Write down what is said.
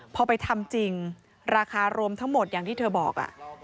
พอไปทำจริงราคารวมทั้งหมดอย่างที่เธอบอก